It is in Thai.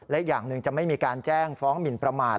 และอีกอย่างหนึ่งจะไม่มีการแจ้งฟ้องหมินประมาท